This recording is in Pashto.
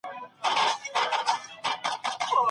تاسو کولای سئ خپل باور زیات کړئ.